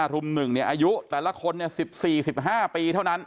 ๕ทุ่ม๑เนี่ยอายุแต่ละคนเนี่ย๑๔๑๕ปีเท่านั้น